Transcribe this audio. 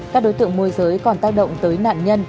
các đối tượng môi giới còn tác động tới nạn nhân